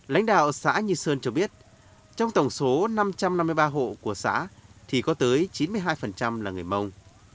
lãnh đạo xã nhi sơn cho biết trong tổng số năm trăm năm mươi ba hộ của xã thì có tới chín mươi hai là người mông